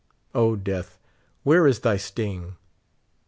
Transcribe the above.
O, death, where is thy sting